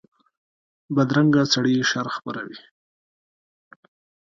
بدرنګه سړي شر خپروي